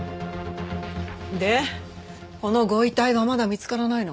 でこのご遺体はまだ見つからないの？